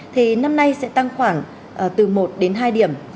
thì năm nay sẽ tăng khoảng hơn hai điểm